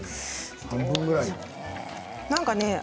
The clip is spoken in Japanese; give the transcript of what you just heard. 半分ぐらいですかね？